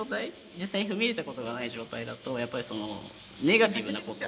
実際に踏み入れたことがない状態だとやっぱりネガティブなこと。